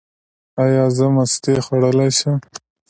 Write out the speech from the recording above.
ایا زه مستې خوړلی شم؟